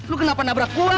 lu kenapa nabrak gua